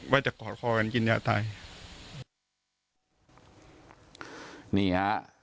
ว่าจะกอดคอกันกินยาไทย